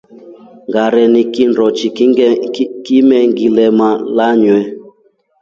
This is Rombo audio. Ngareni kindochi kimengilema lanye.